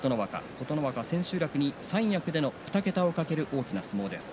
琴ノ若は千秋楽に三役での２桁を懸ける大きな相撲です。